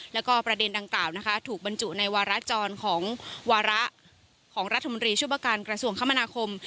แล้วก็ประเด็นดังกล่าวนะคะถูกบรรจุในวาระจรของวาระของรัฐมนตรีช่วยประการกระทรวงคมนาคม